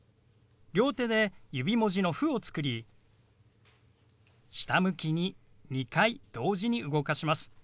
両手で指文字の「フ」を作り下向きに２回同時に動かします。